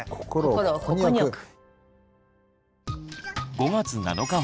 心をここに置く。